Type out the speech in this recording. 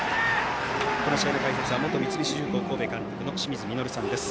この試合の解説は元三菱重工神戸監督の清水稔さんです。